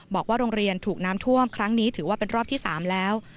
บอกว่าโรงเรียนถูกน้ำท่วมครั้งนี้ถือว่าเป็นรอบที่๓แล้ว